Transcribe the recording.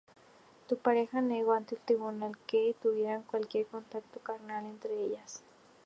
La pareja negó ante el tribunal que tuvieran cualquier contacto carnal entre ellas.